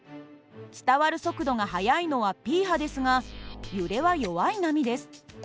伝わる速度が速いのはＰ波ですが揺れは弱い波です。